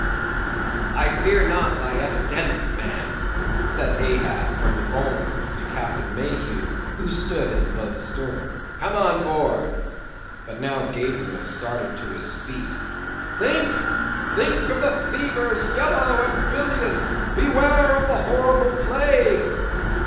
"I fear not thy epidemic, man," said Ahab from the bulwarks, to Captain Mayhew, who stood in the boat's stern; "come on board." But now Gabriel started to his feet. "Think, think of the fevers, yellow and bilious! Beware of the horrible plague!"